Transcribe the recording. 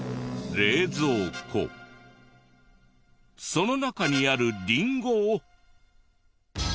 その中にあるリンゴを。